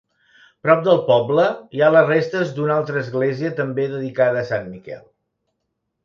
Prop del poble hi ha les restes d'una altra església també dedicada a sant Miquel.